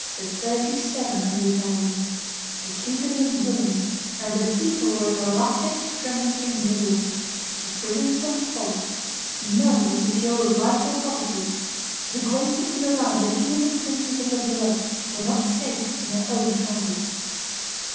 to thirty seven hundred thousand; the kingdom was ruined, and the people were at the last extremity of misery; the prisons were full; none was secure of life or property; the greatest in the land, and even the princes of the blood, were not safe in their own houses.